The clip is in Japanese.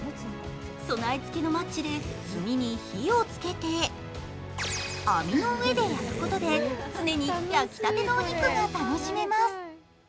備え付けのマッチで炭に火をつけて、網の上で焼くことで常に焼きたてのお肉が楽しめます。